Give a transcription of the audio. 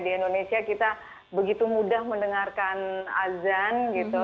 di indonesia kita begitu mudah mendengarkan azan gitu